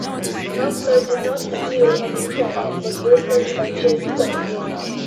Knopfler did not appear on the track and was replaced by Jeff Beck.